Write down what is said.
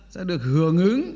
sẽ được hưởng ứng